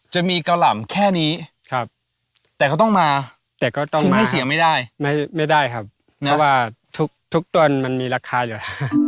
จะมีกะหล่ำแค่นี้แต่เขาต้องมาทิ้งให้เสียไม่ได้ไม่ได้ครับเพราะว่าทุกต้นมันมีราคาอยู่